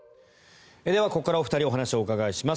ここからお二人にお話を伺います。